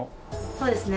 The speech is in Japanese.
そうですね。